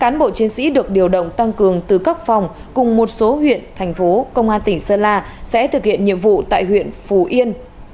tám mươi năm cán bộ chuyên sĩ được điều động tăng cường từ các phòng cùng một số huyện thành phố công an tỉnh sơn la sẽ thực hiện nhiệm vụ tại huyện phú yên